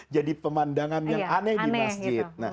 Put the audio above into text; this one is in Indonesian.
jadi pemandangan yang aneh di masjid